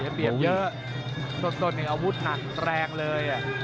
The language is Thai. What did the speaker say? เสียเปรียบเยอะต้นอาวุธหนักแรงเลย